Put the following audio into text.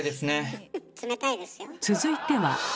続いては。